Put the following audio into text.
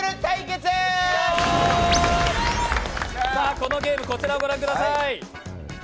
このゲームこちらをご覧ください。